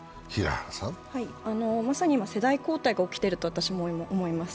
まさに今、世代交代が起きていると私も思います。